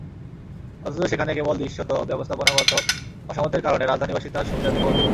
অথচ সেখানে কেবল দৃশ্যত ব্যবস্থাপনাগত অসামর্থ্যের কারণে রাজধানীবাসী তার সুবিধা থেকে বঞ্চিত।